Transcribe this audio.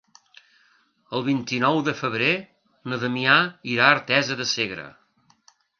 El vint-i-nou de febrer na Damià irà a Artesa de Segre.